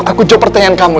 aku jawab pertanyaan kamu